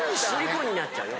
虜になっちゃうよ。